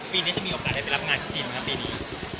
ปีนี้จะมีโอกาสได้ไปรับงานที่จีนไหมครับปีนี้